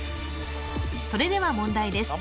それでは問題です